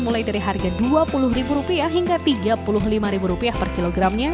mulai dari harga rp dua puluh hingga rp tiga puluh lima per kilogramnya